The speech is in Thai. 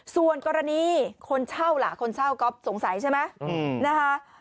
ส่วนกรณีคนเช่าล่ะคนเช่าก๊อฟสงสัยใช่ไหมนะคะ